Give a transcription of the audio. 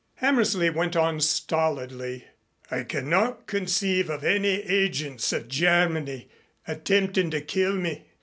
Hammersley went on stolidly: "I cannot conceive of any agents of Germany attempting to kill me.